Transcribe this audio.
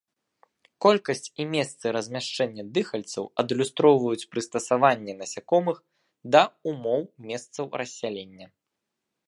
Колькасць і месцы размяшчэння дыхальцаў адлюстроўваюць прыстасаванне насякомых да ўмоў месцаў рассялення.